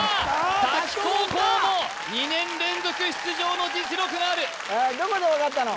滝高校も２年連続出場の実力があるどこで分かったの？